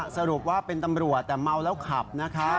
สรุปว่าเป็นตำรวจแต่เมาแล้วขับนะคะ